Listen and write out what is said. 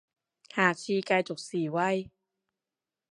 下次繼續示威